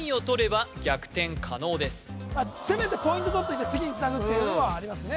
芸能人チームせめてポイントとっといて次につなぐっていうのもありますね